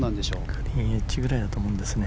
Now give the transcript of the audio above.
グリーンエッジぐらいだと思いますね。